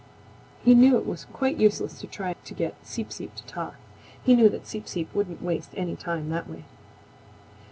He knew it was quite useless to try to get Seep Seep to talk, He knew that Seep Seep wouldn't waste any time that way.